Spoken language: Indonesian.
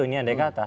ini yang dikata